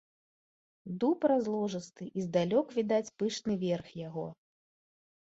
Дуб разложысты, і здалёк відаць пышны верх яго.